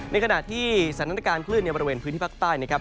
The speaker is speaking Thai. ในขณะที่สถานการณ์คลื่นในบริเวณพื้นที่ภาคใต้นะครับ